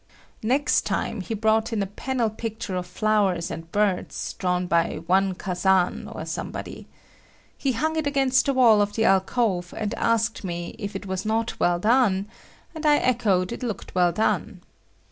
Next time he brought in a panel picture of flowers and birds, drawn by one Kazan or somebody. He hung it against the wall of the alcove and asked me if it was not well done, and I echoed it looked well done.